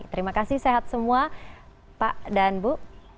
terima kasih sehat semua pak dan bu